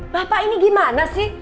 bapak ini gimana sih